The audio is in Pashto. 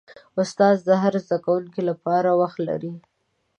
استاد د هر زده کوونکي لپاره وخت لري.